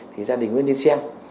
thì gia đình mới nhìn xem